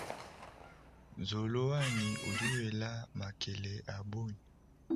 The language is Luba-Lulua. Nzolo wanyi udi wela makele abunyi.